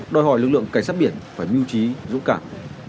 đòi hỏi lực lượng cảnh sát biển phải mưu trí dũng cảm